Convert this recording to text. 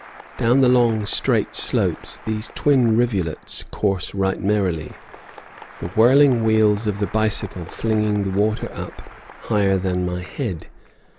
Down the long, straight slopes these twin rivulets course right merrily, the whirling wheels of the bicycle flinging the water up higher than my head.